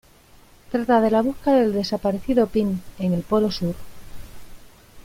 Trata de la busca del desaparecido Pym en el polo sur.